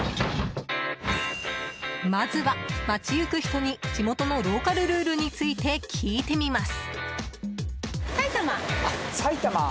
まずは、街行く人に地元のローカルルールについて聞いてみます。